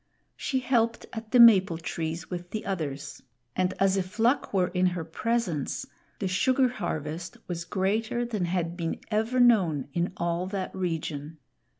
She helped at the maple trees with the others; and as if luck were in her presence, the sugar harvest was greater than had been ever known in all that region.